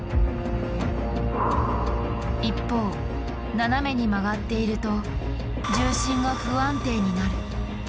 一方斜めに曲がっていると重心が不安定になる。